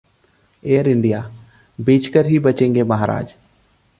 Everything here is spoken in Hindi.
एयर इंडिया: बेचकर ही बचेंगे महाराज